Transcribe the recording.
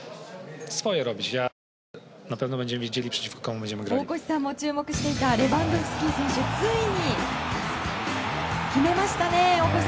大越さんも注目していたレバンドフスキ選手ついに決めましたね。